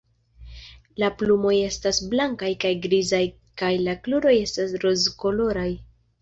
La plumoj estas blankaj kaj grizaj kaj la kruroj estas rozkoloraj.